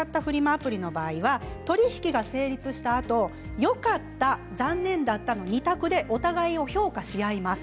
アプリの場合は取り引きが成立したあとよかった、残念だったの２択でお互いを評価し合います。